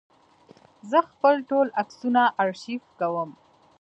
زه خپل ټول عکسونه آرشیف کوم.